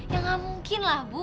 ya gak mungkin lah bu